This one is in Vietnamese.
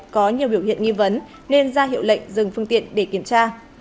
có nhiều biểu hiện nghi vấn nên ra hiệu lệnh dừng phương tiện để kiểm tra